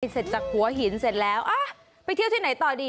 เสร็จจากหัวหินเสร็จแล้วไปเที่ยวที่ไหนต่อดี